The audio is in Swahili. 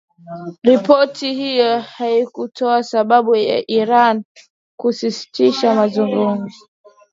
Ripoti hiyo haikutoa sababu ya Iran kusitisha mazungumzo